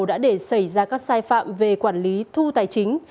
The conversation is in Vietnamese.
đã để xảy ra các sai phạm về quản lý thu tài chính